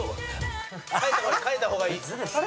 変えた方がいい。